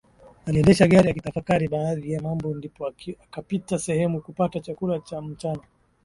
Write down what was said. Aliendesha gari akitafakari baadhi ya mambo ndipo akapita sehemu kupata chakula cha mchana